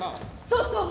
そうそう。